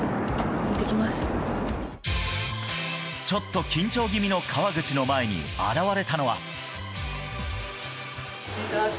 ちょっと緊張気味の川口の前に現れたのは。